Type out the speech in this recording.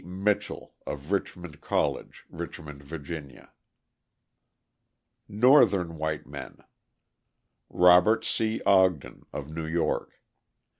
Mitchell, of Richmond College, Richmond, Va. Northern white men: Robert C. Ogden, of New York.